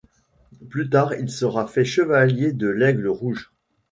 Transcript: Plus tard, il sera fait chevalier de l'Aigle rouge.